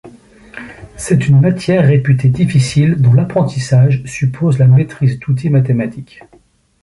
C’est une matière réputée difficile, dont l’apprentissage suppose la maîtrise d’outils mathématiques.